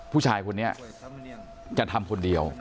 ผู้ชายคนนี้จะทำคนเดียว